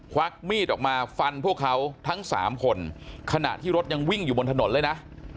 วักมีดออกมาฟันพวกเขาทั้งสามคนขณะที่รถยังวิ่งอยู่บนถนนเลยนะ